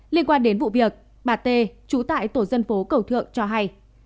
liên quan đến vụ việc bà tê trú tại tổ dân phố cầu thượng cho hay